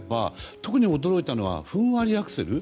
特に驚いたのはふんわりアクセル。